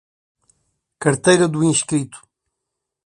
Carteira do inscrito